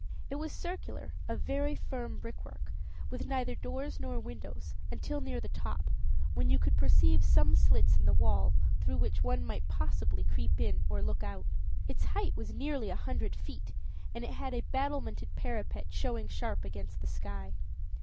It was circular, of very firm brickwork, with neither doors nor windows, until near the top, when you could perceive some slits in the wall through which one might possibly creep in or look out. Its height was nearly a hundred feet, and it had a battlemented parapet showing sharp against the sky.